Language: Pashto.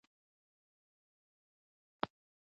زور د عربي ژبې د حرکاتو یوه نښه ده.